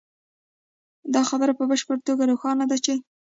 دا خبره په بشپړه توګه روښانه ده چې نه